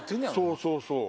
そうそうそう。